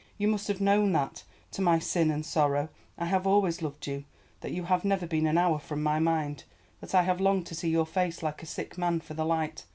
You must have known that, to my sin and sorrow, I have always loved you, that you have never been an hour from my mind, that I have longed to see your face like a sick man for the light.